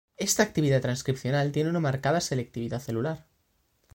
Esta actividad transcripcional tiene una marcada selectividad celular.